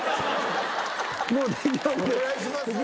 もう大丈夫です。